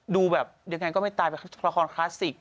ดูแบบอย่างไรก็ไม่ตายแบบละครคลาสสิก